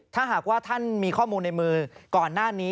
ถ้าหากว่าท่านมีข้อมูลในมือก่อนหน้านี้